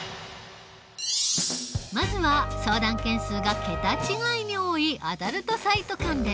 まずは相談件数が桁違いに多いアダルトサイト関連。